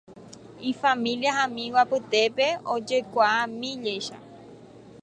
Entre la familia y amigos, Mildred era conocida como Millie.